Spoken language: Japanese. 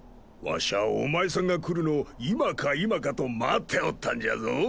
わしゃお前さんが来るのを今か今かと待っておったんじゃぞ。